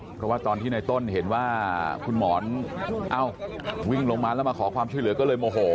เพราะว่าตอนที่ในต้นเห็นว่าคุณหมอนเอ้าวิ่งลงมาแล้วมาขอความช่วยเหลือก็เลยโมโห